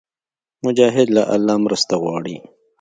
مجاهد له الله مرسته غواړي.